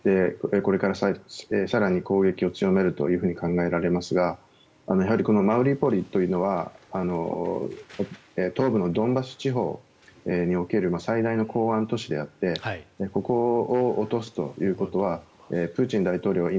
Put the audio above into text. これから更に攻撃を強めると考えられますがやはりマリウポリというのは東部のドンバス地方における最大の港湾都市であってここを落とすということはプーチン大統領